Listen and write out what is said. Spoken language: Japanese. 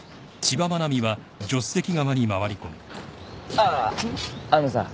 あああのさ。